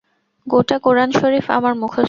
গোটা কোরান শরিফ আমার মুখস্থ।